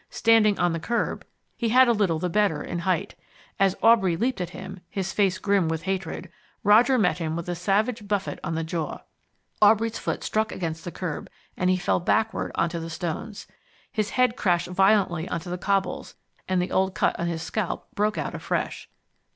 Standing on the curb, he had a little the better in height. As Aubrey leaped at him, his face grim with hatred, Roger met him with a savage buffet on the jaw. Aubrey's foot struck against the curb, and he fell backward onto the stones. His head crashed violently on the cobbles, and the old cut on his scalp broke out afresh.